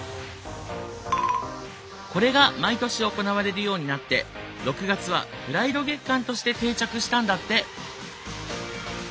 これが毎年行われるようになって６月はプライド月間として定着したんだって。